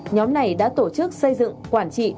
nhóm này đã tổ chức xây dựng quản trị